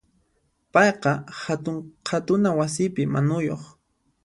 Payqa hatun qhatuna wasipi manuyuq.